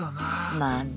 まあね。